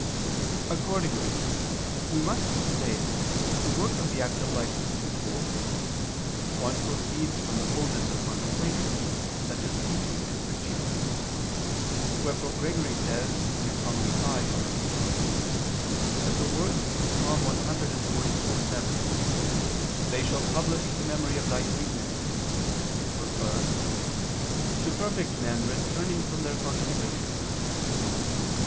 Accordingly we must say that the work of the active life is twofold. one proceeds from the fulness of contemplation, such as teaching and preaching. Wherefore Gregory says (Hom. v in Ezech.) that the words of Ps. 144:7, "They shall publish the memory of ... Thy sweetness," refer "to perfect men returning from their contemplation."